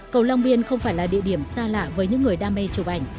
cầu long biên không phải là địa điểm xa lạ với những người đam mê chụp ảnh